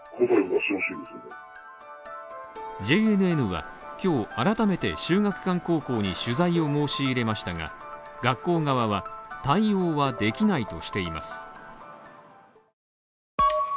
ＪＮＮは今日、改めて秀岳館高校に取材を申し入れましたが学校側は、対応はできないとしています。